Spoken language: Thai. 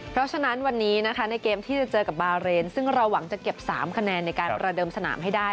เพราะฉะนั้นวันนี้นะคะในเกมที่จะเจอกับบาเรนซึ่งเราหวังจะเก็บ๓คะแนนในการประเดิมสนามให้ได้